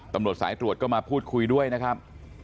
ตำรวจสายตรวจก็มาพูดคุยด้วยนะครับ